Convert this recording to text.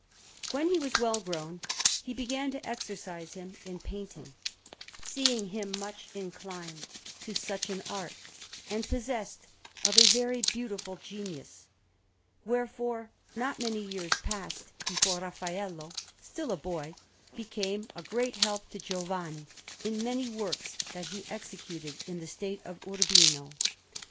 When he was well grown, he began to exercise him in painting, seeing him much inclined to such an art, and possessed of a very beautiful genius: wherefore not many years passed before Raffaello, still a boy, became a great help to Giovanni in many works that he executed in the state of Urbino.